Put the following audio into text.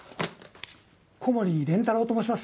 小森廉太郎と申します